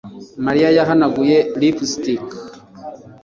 Mariya yahanaguye lipstick